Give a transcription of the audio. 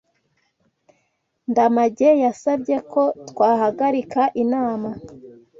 Ndamage yasabye ko twahagarika inama.